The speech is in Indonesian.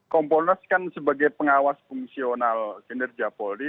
kompolnas kan sebagai pengawas fungsional kinerja polri